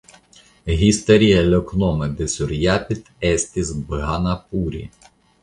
Historia loknomo de Surjapet estis "Bhanupuri".